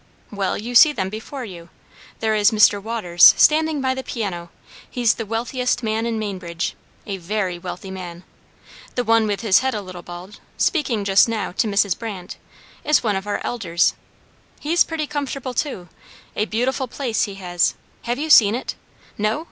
"Well, you see them before you. There is Mr. Waters standing by the piano he's the wealthiest man in Mainbridge; a very wealthy man. The one with his head a little bald, speaking just now to Mrs. Brandt, is one of our elders; he's pretty comfortable too; a beautiful place he has have you seen it? No?